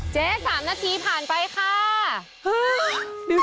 เจ๊๓นาทีผ่านกลัวแล้วนะ